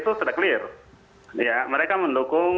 sudah clear mereka mendukung